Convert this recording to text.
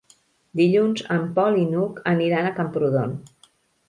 Dilluns en Pol i n'Hug aniran a Camprodon.